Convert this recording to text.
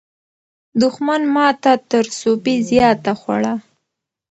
دښمن ماته تر سوبې زیاته خوړه.